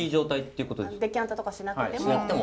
デキャンターとかしなくても。